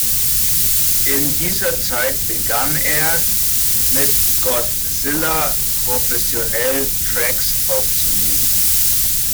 In dieser Zeit begann er, mit Godsilla professionell Tracks aufzunehmen.